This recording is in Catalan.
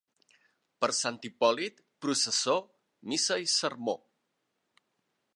Per Sant Hipòlit, processó, missa i sermó.